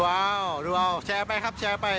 ว้าวดูเอาแชร์ไปครับแชร์ไป